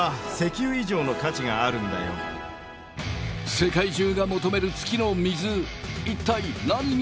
世界中が求める月の水一体何に使われるのか？